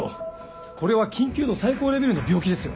これは緊急度最高レベルの病気ですよ。